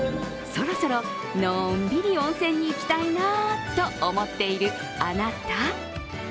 そろそろ、のんびり温泉に行きたいなと思っている、あなた。